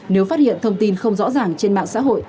nếu phát hiện thông tin không rõ ràng trên mạng xã hội